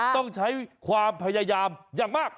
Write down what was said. ต้องใช้ความพยายามอย่างมาก